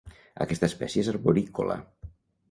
Aquesta espècie és arborícola.